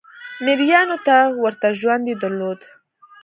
مریانو ته ورته ژوند یې درلود.